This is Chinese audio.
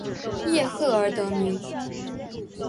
叶赫而得名。